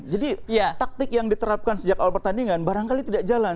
taktik yang diterapkan sejak awal pertandingan barangkali tidak jalan